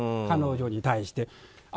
彼女に対して。